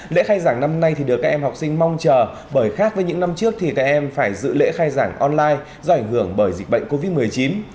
lễ khai giảng năm nay được các em học sinh mong chờ bởi khác với những năm trước thì các em phải dự lễ khai giảng online do ảnh hưởng bởi dịch bệnh covid một mươi chín